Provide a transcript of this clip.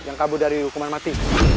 yang kabur dari hukuman mati